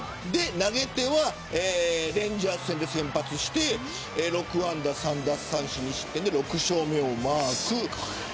投げてはレンジャース戦で先発して６安打３奪三振２失点で６勝目をマーク。